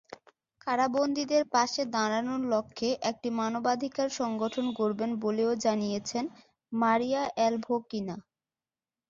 কারাবন্দীদের পাশে দাঁড়ানোর লক্ষ্যে একটি মানবাধিকার সংগঠন গড়বেন বলেও জানিয়েছেন মারিয়া অ্যালভোকিনা।